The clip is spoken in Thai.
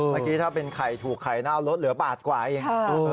เมื่อกี้ถ้าเป็นไข่ถูกไข่หน้ารถเหลือบาทกว่าเอง